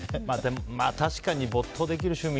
確かに没頭できる趣味